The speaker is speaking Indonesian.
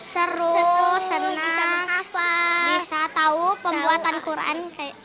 seru senang bisa tahu pembuatan quran